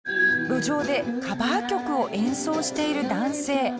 路上でカバー曲を演奏している男性。